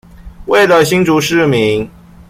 為了新竹市民